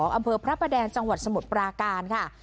อำเภอพระประแดงจังหวัดสมุทรปราการค่ะ